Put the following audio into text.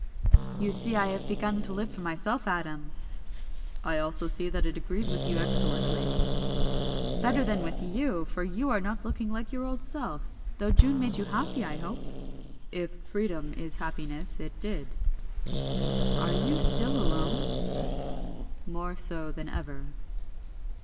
"You see I have begun to live for myself, Adam." "I also see that it agrees with you excellently." "Better than with you, for you are not looking like your old self, though June made you happy, I hope?" "If freedom is happiness it did." "Are you still alone?" "More so than ever."